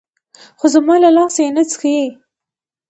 خو زما له لاسه يې نه چښي.